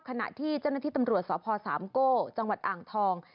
ขณะที่เจ้าหน้าที่ตำรวจสพสามโก้จังหวัดอ่างทอง